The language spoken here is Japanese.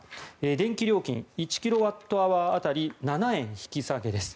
電気料金１キロワットアワー当たり７円引き下げです。